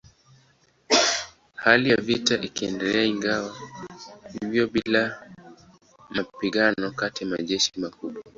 Hali ya vita ikaendelea ingawa bila mapigano kati ya majeshi makubwa.